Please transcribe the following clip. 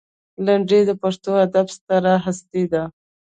لنډۍ د پښتو ادب ستره هستي ده.